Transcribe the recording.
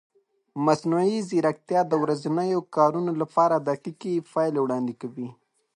مصنوعي ځیرکتیا د ورځنیو کارونو لپاره دقیقې پایلې وړاندې کوي.